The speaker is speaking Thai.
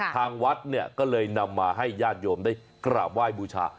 ทางวัดเนี่ยก็เลยนำมาให้ญาติโยมได้กราบไหว้บูชา